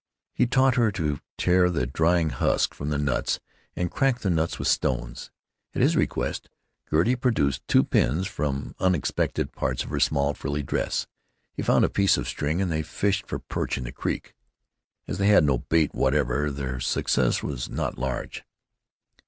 He taught her to tear the drying husks from the nuts and crack the nuts with stones. At his request Gertie produced two pins from unexpected parts of her small frilly dress. He found a piece of string, and they fished for perch in the creek. As they had no bait whatever, their success was not large.